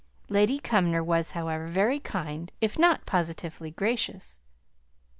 Lady Cumnor was, however, very kind, if not positively gracious.